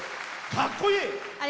かっこいい！